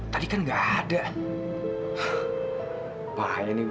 tidak ada di sini